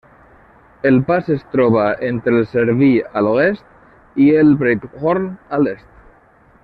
El pas es troba entre el Cerví a l'oest i el Breithorn a l'est.